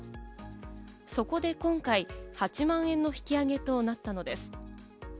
そこで今回、８万円の引き上げとなったのです。